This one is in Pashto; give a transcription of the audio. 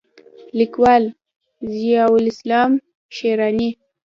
لیکوال: ضیاءالاسلام شېراني